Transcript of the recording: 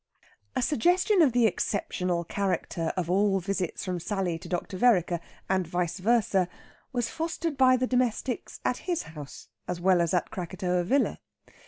A suggestion of the exceptional character of all visits from Sally to Dr. Vereker, and vice versa, was fostered by the domestics at his house as well as at Krakatoa Villa.